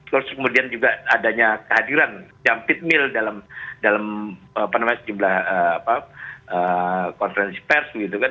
terus kemudian juga adanya kehadiran yang fitmil dalam sejumlah konferensi pers gitu kan